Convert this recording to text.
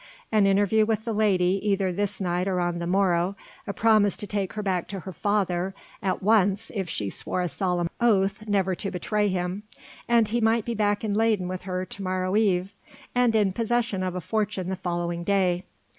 An interview with the lady either this night or on the morrow, a promise to take her back to her father at once if she swore a solemn oath never to betray him, and he might be back in Leyden with her to morrow eve and in possession of a fortune the following day.